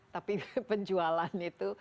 tapi penjualan itu